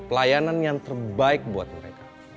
pelayanan yang terbaik buat mereka